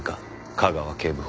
架川警部補。